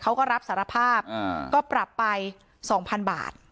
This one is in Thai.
เขาก็รับสารภาพก็ปรับไป๒๐๐๐บาท